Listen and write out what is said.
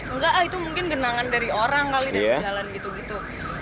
enggak ah itu mungkin genangan dari orang kali dalam jalan gitu gitu